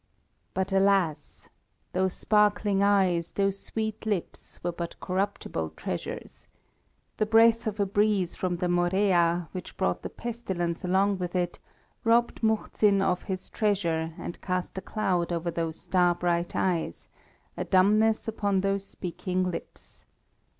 But, alas! those sparkling eyes, those sweet lips were but corruptible treasures. The breath of a breeze from the Morea, which brought the pestilence along with it, robbed Muhzin of his treasure, and cast a cloud over those star bright eyes, a dumbness upon those speaking lips.